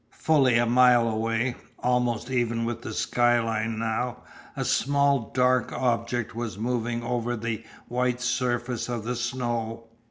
Fully a mile away, almost even with the skyline now, a small dark object was moving over the white surface of the snow.